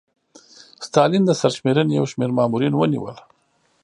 ستالین د سرشمېرنې یو شمېر مامورین ونیول